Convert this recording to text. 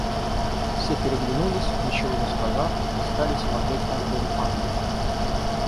Все переглянулись, ничего не сказав, и стали смотреть альбом Анны.